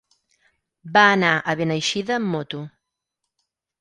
Va anar a Beneixida amb moto.